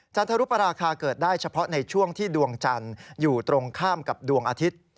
จรุปราคาเกิดได้เฉพาะในช่วงที่ดวงจันทร์อยู่ตรงข้ามกับดวงอาทิตย์